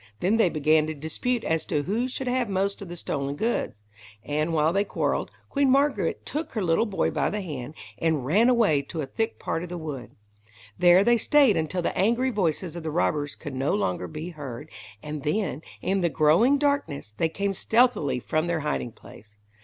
Then they began to dispute as to who should have most of the stolen goods. And while they quarrelled, Queen Margaret took her little boy by the hand and ran away to a thick part of the wood. There they stayed until the angry voices of the robbers could no longer be heard, and then, in the growing darkness, they came stealthily from their hiding place.